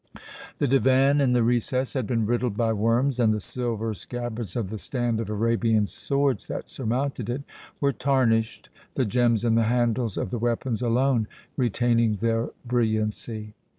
The divan in the recess had been riddled by worms and the silver scabbards of the stand of Arabian swords that surmounted it were tarnished, the gems in the handles of the weapons alone retaining their brilliancy.